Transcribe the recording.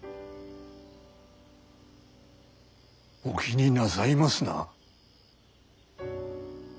お気になさいますな？